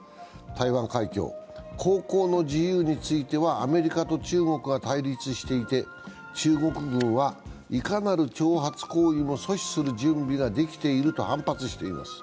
台湾海峡、航行の自由についてはアメリカと中国が対立していて中国軍はいかなる挑発行為も阻止する準備ができていると反発しています。